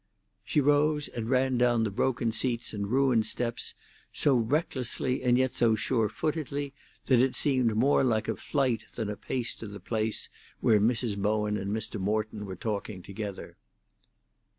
She rose and ran down the broken seats and ruined steps so recklessly and yet so sure footedly that it seemed more like a flight than a pace to the place where Mrs. Bowen and Mr. Morton were talking together.